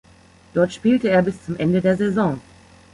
Dort spielte er bis zum Ende der Saison.